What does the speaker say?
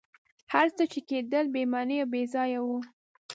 هر څه چي کېدل بي معنی او بېځایه وه.